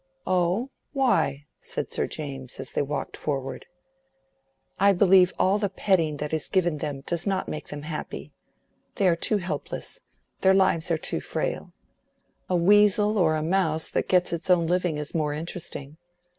"Oh, why?" said Sir James, as they walked forward. "I believe all the petting that is given them does not make them happy. They are too helpless: their lives are too frail. A weasel or a mouse that gets its own living is more interesting.